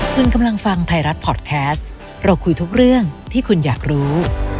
คุณกำลังฟังไทยรัฐพอร์ตแคสต์เราคุยทุกเรื่องที่คุณอยากรู้